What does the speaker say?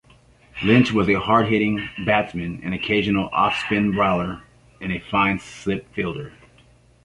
Lynch was a hard-hitting batsman, an occasional off-spin bowler and a fine slip fielder.